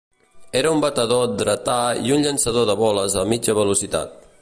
Era un batedor dretà i un llançador de boles a mitja velocitat.